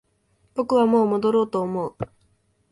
僕はもう戻ろうと思う